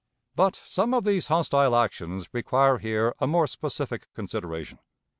But some of these hostile actions require here a more specific consideration.